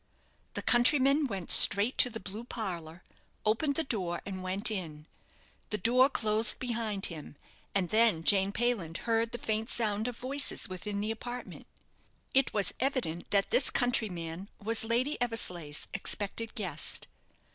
The countryman went straight to the blue parlour, opened the door, and went in. The door closed behind him, and then Jane Payland heard the faint sound of voices within the apartment. It was evident that this countryman was Lady Eversleigh's expected guest.